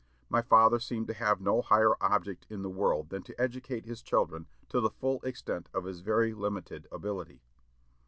My father seemed to have no higher object in the world than to educate his children to the full extent of his very limited ability.